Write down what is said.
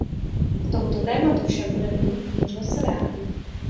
K tomuto tématu však budeme mít možnost se vrátit.